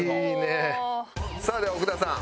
さあでは奥田さん